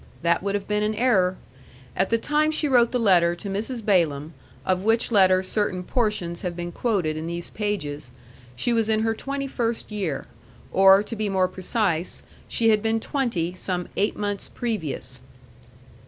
That would have been an error. At the time she wrote the letter to Mrs. Balaam, of which letter certain portions have been quoted in these pages, she was in her twenty first year; or, to be more precise, she had been twenty some eight months previous.